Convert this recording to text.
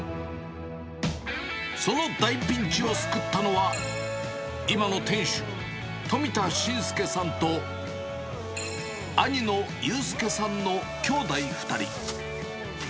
その大ピンチを救ったのは、今の店主、冨田晋介さんと兄の佑介さんの兄弟２人。